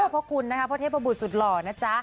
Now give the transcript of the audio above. พระคุณนะคะพระเทพบุตรสุดหล่อนะจ๊ะ